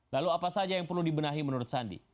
lalu apa saja yang perlu dibenahi menurut sandi